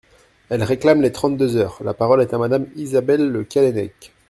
Elle réclame les trente-deux heures ! La parole est à Madame Isabelle Le Callennec.